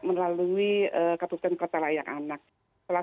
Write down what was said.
menelan lalu ke kota layak anak salah